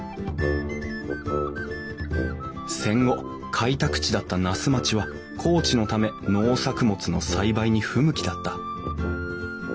戦後開拓地だった那須町は高地のため農作物の栽培に不向きだった。